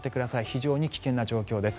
非常に危険な状況です。